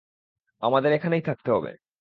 আমাদের এখানেই থাকতে হবে।